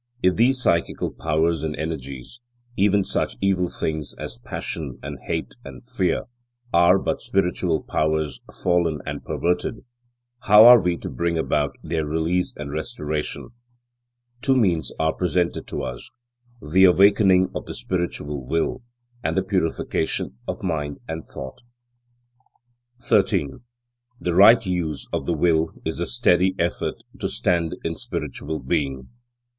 If these psychical powers and energies, even such evil things as passion and hate and fear, are but spiritual powers fallen and perverted, how are we to bring about their release and restoration? Two means are presented to us: the awakening of the spiritual will, and the purification of mind and thought. 13. The right use of the will is the steady, effort to stand in spiritual being.